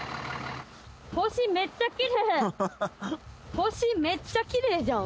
星めっちゃ奇麗じゃん。